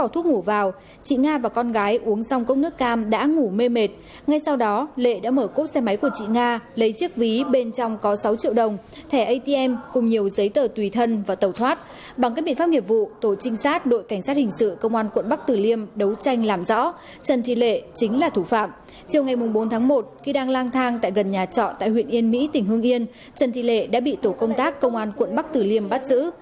trong bốn tháng một khi đang lang thang tại gần nhà trọ tại huyện yên mỹ tỉnh hương yên trần thị lệ đã bị tổ công tác công an quận bắc tử liêm bắt giữ